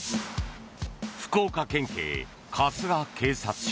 福岡県警春日警察署。